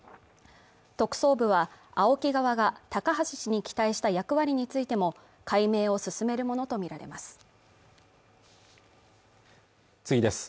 特捜部はＡＯＫＩ側が高橋氏に期待した役割についても解明を進めるものと見られます